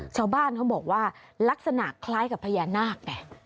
ชาวบ้านเขาบอกว่าลักษณะคล้ายกับพญานาคไง